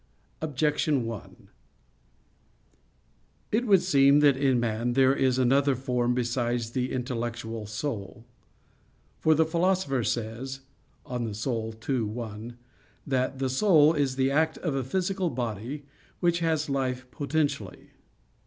Objection 1: It would seem that in man there is another form besides the intellectual soul. For the Philosopher says (De Anima ii, 1), that "the soul is the act of a physical body which has life potentially."